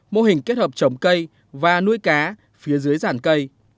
mô hình kết hợp trồng cây và nuôi cá phía dưới giản cây